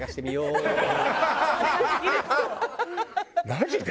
マジで？